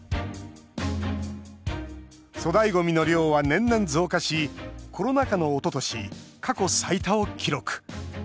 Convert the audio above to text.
粗大ゴミの量は年々増加しコロナ禍のおととし過去最多を記録。